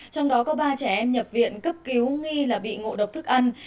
trong đó có ba trẻ em nhập viện cấp cứu nghi là bị ngộ độc thức ăn